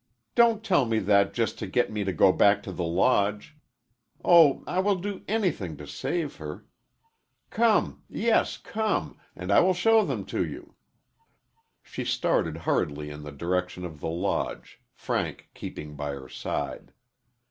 "Don't tell me that just to get me to go back to the Lodge! Oh, I will do anything to save her! Come yes come, and I will show them to you!" She started hurriedly in the direction of the Lodge, Frank keeping by her side.